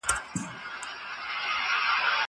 زه اوس د تکړښت لپاره ځم!